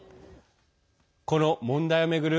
この問題を巡る